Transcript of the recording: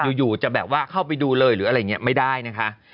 อยู่จะแบบว่าเข้าไปดูเลยหรืออะไรอย่างนี้ไม่ได้นะคะ